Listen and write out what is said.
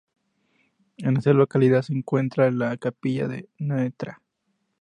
En esta localidad se encuentra la capilla de Ntra.